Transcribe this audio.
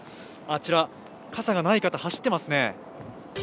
あちら、傘がない方、走っていますね。